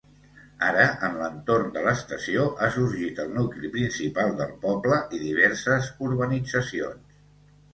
Ara, en l'entorn de l'estació ha sorgit el nucli principal del poble i diverses urbanitzacions.